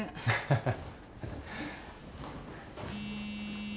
ハハハ。